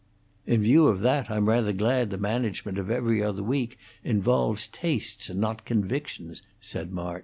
"In view of that I'm rather glad the management of 'Every Other Week' involves tastes and not convictions," said March.